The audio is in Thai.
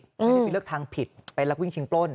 มีเลือกทางผิดไปแล้ววิ่งชิงปล้น